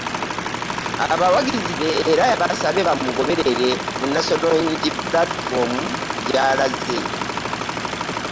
Abawagizi be era yabasabye bamugoberere mu National Unity Platform gy'alaze